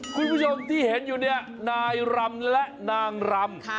คุณผู้ชมที่เห็นอยู่เนี่ยนายรำและนางรำ